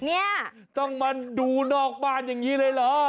เนี่ยต้องมาดูนอกบ้านอย่างนี้เลยเหรอ